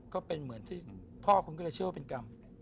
ก็เป็นเหมือนที่พ่อคุณก็เลยเชื่อว่าเป็นกรรม